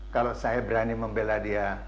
kalau saya berani membela dia